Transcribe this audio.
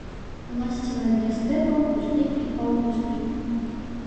Уласцівыя для стэпаў, пустынь і паўпустынь.